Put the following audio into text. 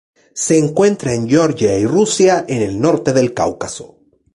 Se encuentra en Georgia y Rusia en el norte del Cáucaso.